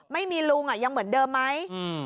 ไม่มีลุงยังเหมือนเดิมไหม